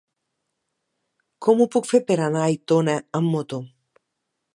Com ho puc fer per anar a Aitona amb moto?